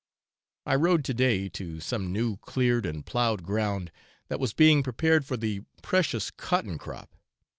I rode to day to some new cleared and ploughed ground that was being prepared for the precious cotton crop.